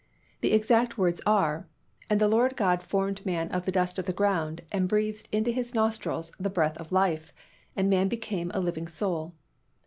The exact words are, "And the Lord God formed man of the dust of the ground, and breathed into his nostrils the breath of life; and man became a living soul."